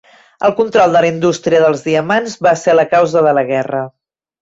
El control de la indústria dels diamants va ser la causa de la guerra.